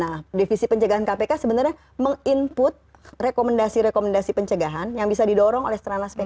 nah divisi pencegahan kpk sebenarnya meng input rekomendasi rekomendasi pencegahan yang bisa didorong oleh serana spk